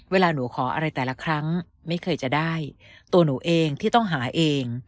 เวลาหนูขออะไรแต่ละครั้งไม่เคยจะได้ตัวหนูเองที่ต้องหาเอง